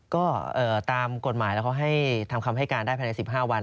ก็ตามกฎหมายแล้วเขาให้ทำคำให้การได้ภายใน๑๕วัน